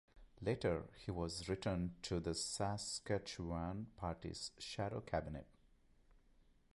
Later he was returned to the Saskatchewan Party's shadow cabinet.